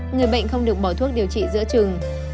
người bệnh không được bỏ thuốc điều trị giữa trừng